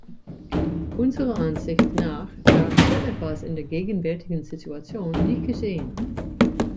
Unserer Ansicht nach darf so etwas in der gegenwärtigen Situation nicht geschehen.